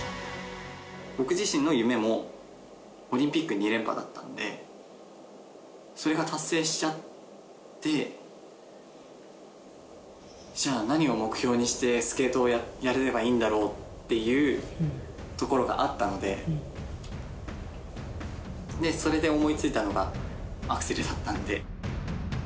僕自身の夢も、オリンピック２連覇だったので、それが達成しちゃって、じゃあ、何を目標にしてスケートをやればいいんだろうというところがあったので、それで思いついたのが、アクセルだったんで。